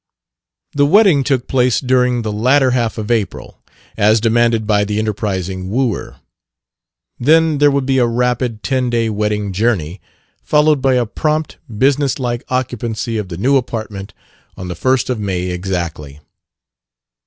The wedding took place during the latter half of April, as demanded by the enterprising wooer. Then there would be a rapid ten day wedding journey, followed by a prompt, business like occupancy of the new apartment on the first of May exactly.